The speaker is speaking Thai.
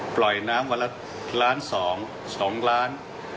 ปล่อยน้ำวันละล้านสองสองล้าน